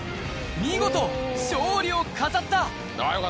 見事、勝利を飾った。